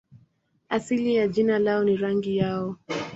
Asili ya jina lao ni rangi yao.